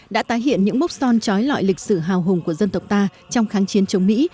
đã tái hiện những mốc son trói lọi lịch sử hào hùng của dân tộc ta trong kháng chiến chống mỹ